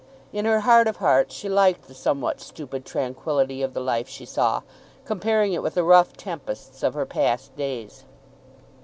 In her heart of hearts she liked the somewhat stupid tranquillity of the life she saw, comparing it with the rough tempests of her past days.